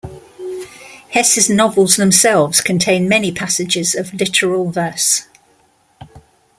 Hesse's novels themselves contain many passages of literal verse.